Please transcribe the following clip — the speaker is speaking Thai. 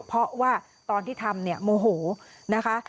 เพราะว่าตอนที่ทำเนี่ยโมโหนะคะ